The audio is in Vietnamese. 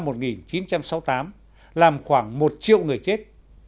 đại dịch cúm công năm một nghìn chín trăm sáu mươi tám làm khoảng một triệu người chết